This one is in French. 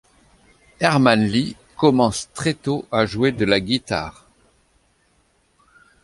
Herman Li commence très tôt à jouer de la guitare.